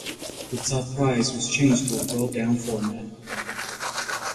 The top prize was changed to a rolldown format.